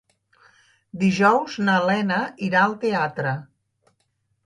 Dijous na Lena irà al teatre.